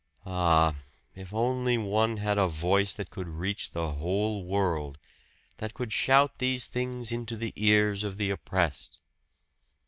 Ah! if only one had a voice that could reach the whole world that could shout these things into the ears of the oppressed!